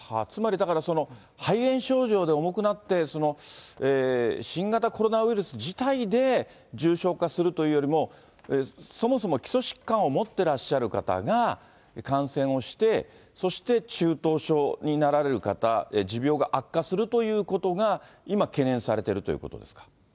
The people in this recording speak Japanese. つまり、だから、肺炎症状で重くなって、新型コロナウイルス自体で重症化するというよりも、そもそも基礎疾患を持ってらっしゃる方が感染をして、そして中等症になられる方、持病が悪化するということが、今、懸念されているということですか。